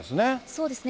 そうですね。